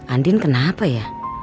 andin kenapa ya